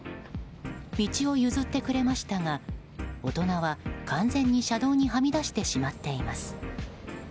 道を譲ってくれましたが大人は完全に、車道にはみ出してしまっています。